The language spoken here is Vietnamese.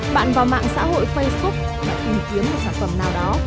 bạn vào mạng xã hội facebook bạn tìm kiếm một sản phẩm nào đó